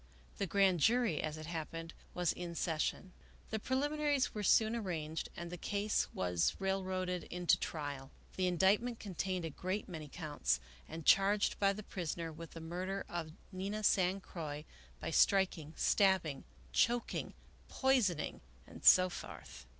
The grand jury, as it happened, was in session. The prehminaries were soon arranged and the case was railroaded into trial. The indictment contained a great many counts, and charged the prisoner with the murder of Nina San Croix by striking, stabbing, choking, poisoning, and so forth.